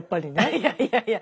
いやいやいや。